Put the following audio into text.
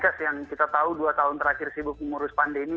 proses yang kita tahu dua tahun terakhir sibuk mengurus pandemi